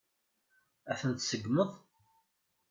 Ad tent-tseggmeḍ?